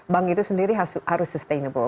bank itu sendiri harus sustainable